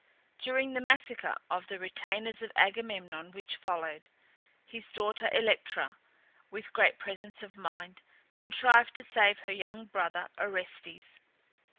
During the massacre of the retainers of Agamemnon which followed, his daughter Electra, with great presence of mind, contrived to save her young brother Orestes.